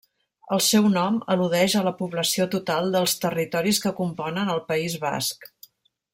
El seu nom al·ludeix a la població total dels territoris que componen el País Basc.